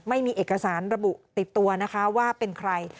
ไม่มีเอกสารระบุติดตัวนะคะว่าเป็นใคร